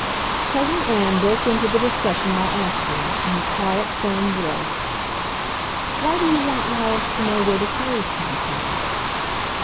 Cousin Ann broke into the discussion by asking, in her quiet, firm voice, "Why do you want 'Lias to know where the clothes come from?"